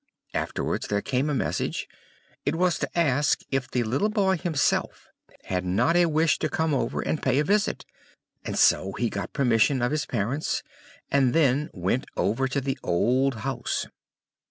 Afterwards there came a message; it was to ask if the little boy himself had not a wish to come over and pay a visit; and so he got permission of his parents, and then went over to the old house.